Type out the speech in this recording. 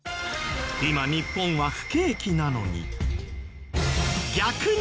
今日本は不景気なのに。